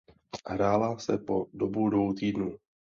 Hrála se po dobu dvou týdnů.